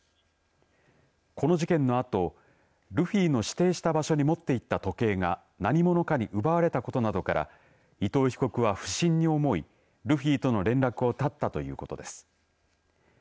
この事件のあとルフィの指定した場所に持っていった時計が何者かに奪われたことなどから伊藤被告は不審に思いルフィとの連絡を絶ったということです。